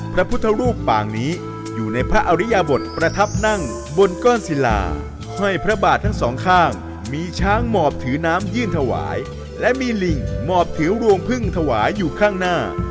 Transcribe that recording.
พระพุทธรูปปางนี้อยู่ในพระอริยบทประทับนั่งบนก้อนศิลาห้อยพระบาททั้งสองข้างมีช้างหมอบถือน้ำยื่นถวายและมีลิงหมอบถือรวงพึ่งถวายอยู่ข้างหน้า